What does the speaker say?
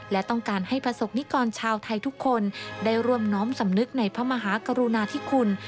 และต้องการให้ประสบนิกรชาวไทยทุกคนได้ร่วมน้อมสำนึกในพระมหากรุณาธิคุณ